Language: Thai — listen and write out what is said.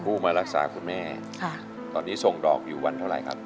ผู้มารักษาคุณแม่ตอนนี้ส่งดอกอยู่วันเท่าไหร่ครับ